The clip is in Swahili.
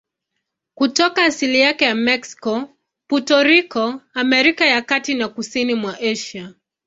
Kutoka asili yake ya Meksiko, Puerto Rico, Amerika ya Kati na kusini mwa Asia.